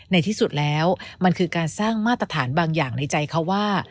ในที่สุดแล้วมันคือการสร้างมาตรฐานบางอย่างในใจเขาว่า